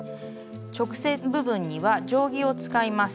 直線部分には定規を使います。